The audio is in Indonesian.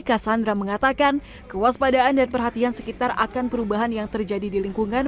kassandra mengatakan kewaspadaan dan perhatian sekitar akan perubahan yang terjadi di lingkungan